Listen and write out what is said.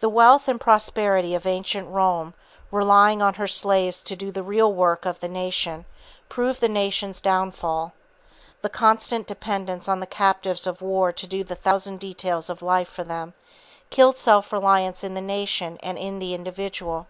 The wealth and prosperity of ancient Rome, relying on her slaves to do the real work of the nation, proved the nation's downfall. The constant dependence on the captives of war to do the thousand details of life for them, killed self reliance in the nation and in the individual.